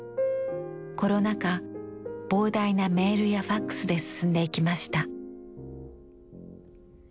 コロナ禍膨大なメールやファックスで進んでいきました。